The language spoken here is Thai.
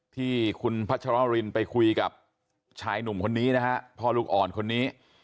ที่คุณพัชรรินไปคุยกับชายหนุ่มคนนี้นะฮะพ่อลูกอ่อนคนนี้